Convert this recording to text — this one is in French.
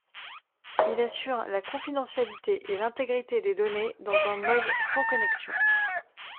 Il assure la confidentialité et l'intégrité des données dans un mode sans connexion.